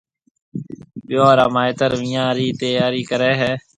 ٻيون را مائيتر وينيان رِي تياري ڪرَي ھيََََ